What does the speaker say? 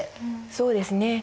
そうですね。